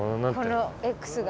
このＸが。